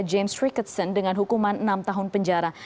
james ricketson dengan hukuman enam tahun penjara